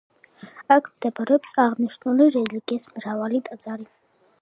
აქ მდებარეობს აღნიშნული რელიგიის მრავალი ტაძარი.